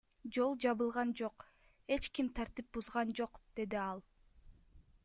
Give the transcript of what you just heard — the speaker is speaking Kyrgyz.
Жол жабылган жок, эч ким тартип бузган жок, — деди ал.